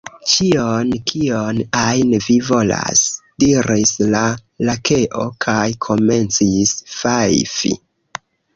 "Ĉion, kion ajn vi volas!" diris la Lakeo, kaj komencis fajfi.